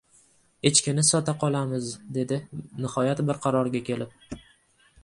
— Echkini sota qolamiz, — dedi nihoyat bir qarorga kelib.